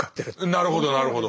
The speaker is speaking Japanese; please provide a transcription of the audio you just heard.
なるほどなるほど。